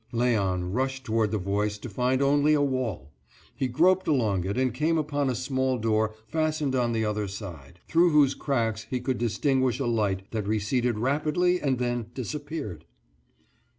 Léon rushed toward the voice to find only a wall; he groped along it and came upon a small door fastened on the other side, through whose cracks he could distinguish a light that receded rapidly and then disappeared.